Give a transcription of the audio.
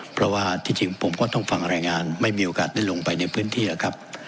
เพราะว่าที่จริงผมก็ต้องฟังรายงานไม่มีโอกาสได้ลงไปในพื้นที่ครับ